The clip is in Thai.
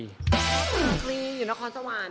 ตาคลีอยู่ในคอนสะวาน